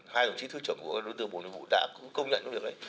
hai đồng chí thư trưởng của đối tượng bộ nông nghiệp đã công nhận việc đấy